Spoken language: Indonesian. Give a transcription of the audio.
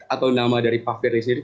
atau nama dari pameran sendiri